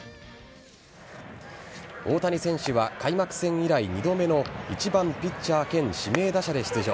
大谷選手は開幕戦以来２度目の１番・ピッチャー兼指名打者で出場。